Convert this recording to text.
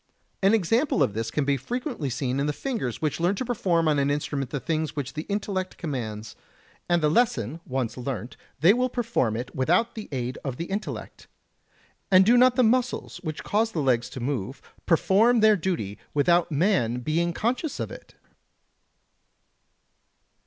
An example of this can be frequently seen in the fingers, which learn to perform on an instrument the things which the intellect commands, and the lesson once learnt they will perform it without the aid of the intellect. And do not the muscles which cause the legs to move perform their duty without man being conscious of it?